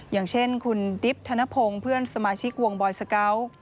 อย่างเช่นคุณดิบธนพงศ์เพื่อนสมาชิกวงบอยสเกาะ